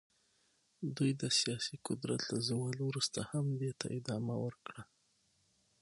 دوی د سیاسي قدرت له زوال وروسته هم دې ته ادامه ورکړه.